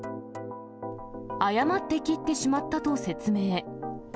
誤って切ってしまったと説明。